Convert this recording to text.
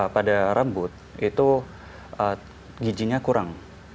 pada rambut itu giginya kurang